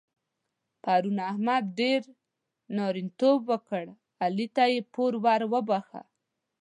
پرون احمد ډېر نارینتوب وکړ او علي ته يې پور ور وباښه.